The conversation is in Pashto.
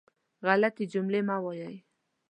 غلطې جملې مه وایئ.